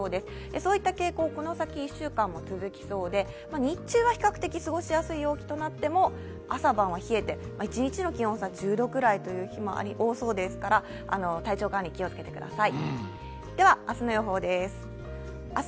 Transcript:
そういった傾向、この先１週間も続きそうで日中は比較的過ごしやすい陽気となっても朝晩は冷えて、一日の気温差は大きい日があるので、体調管理、気をつけてください。